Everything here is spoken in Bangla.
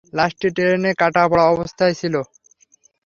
লাশটি ট্রেনে কাটা পড়া অবস্থায় ছিল।